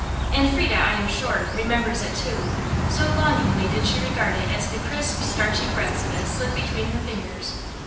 And Frieda, I am sure, remembers it, too, so longingly did she regard it as the crisp, starchy breadths of it slid between her fingers.